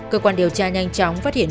cơ quan điều tra nhanh chóng phát hiện